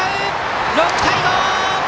６対５！